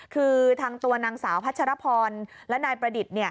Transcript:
คือทางตัวนางสาวพัชรพรและนายประดิษฐ์